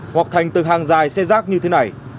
hoặc thành từ hàng dài xe rác như thế này